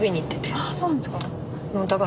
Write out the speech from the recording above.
ああそうなんですか。